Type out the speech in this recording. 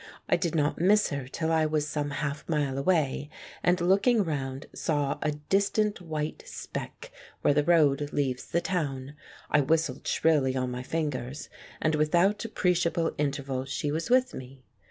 I did not miss her till I was some half mile away, and looking round saw a distant white speck where the road leaves the town. I whistled shrilly on my fingers, and without appreciable interval she was with me.